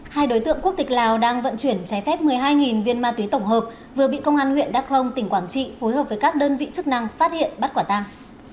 hai đối tượng quốc tịch lào đang vận chuyển trái phép một mươi hai viên ma túy tổng hợp vừa bị công an huyện đắk rông tỉnh quảng trị phối hợp với các đơn vị chức năng phát hiện bắt quả tang